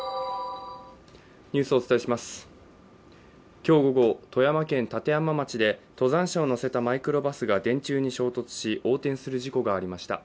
きょう午後富山県立山町で登山者を乗せたマイクロバスが電柱に衝突し横転する事故がありました